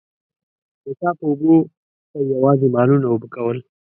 د څاه په اوبو به يې يواځې مالونه اوبه کول.